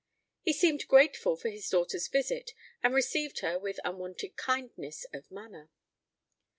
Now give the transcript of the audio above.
He seemed grateful for his daughter's visit, and received her with unwonted kindness of manner.